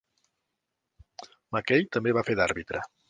Mackey també va fer d'àrbitre.